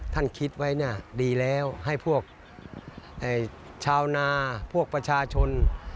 คิดไว้ดีแล้วให้พวกชาวนาพวกประชาชน